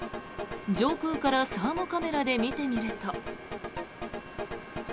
上空からサーモカメラで見てみると。